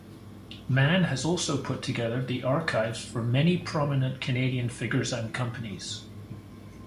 Mann has also put together the archives for many prominent Canadian figures and companies.